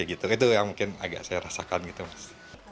itu yang mungkin agak saya rasakan gitu mas